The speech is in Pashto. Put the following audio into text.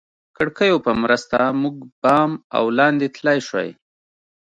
کړکیو په مرسته موږ بام او لاندې تلای شوای.